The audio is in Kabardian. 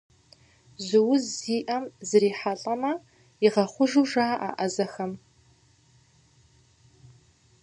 Жьы уз зиӏэм зрихьэлӏэмэ, игъэхъужу жаӏэ ӏэзэхэм.